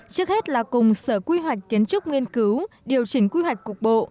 trước hết là cùng sở quy hoạch kiến trúc nghiên cứu điều chỉnh quy hoạch cục bộ